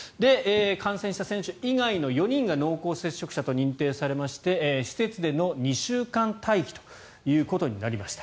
感染した選手以外の４人が濃厚接触者と認定されまして施設での２週間待機ということになりました。